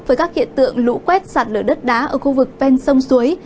với các hiện tượng lũ quét sạt lở đất đá ở khu vực ven sông suối